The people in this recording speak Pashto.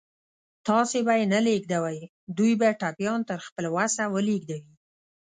تاسې به یې نه لېږدوئ، دوی به ټپيان تر خپل وسه ولېږدوي.